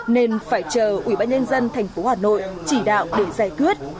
nên phải chờ ủy ban nhân dân thành phố hà nội chỉ đạo để giải quyết